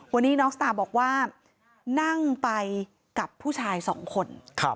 วันนี้น้องสตาร์บอกว่านั่งไปกับผู้ชายสองคน